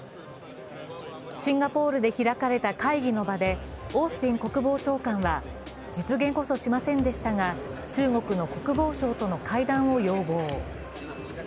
シンガポールで開かれた会議の場でオースティン国防長官は実現こそしませんでしたが中国の国防相との会談を要望。